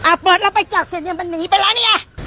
อ่ะปล่อยเราไปจับเสร็จเนี้ยมันหนีไปแล้วเนี้ย